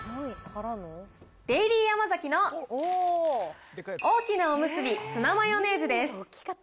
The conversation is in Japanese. デイリーヤマザキの大きなおむすびツナマヨネーズです。